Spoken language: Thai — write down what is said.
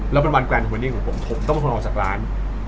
แล้วเป็นวันแกรนเวนิ่งของผมผมต้องเป็นคนออกจากร้าน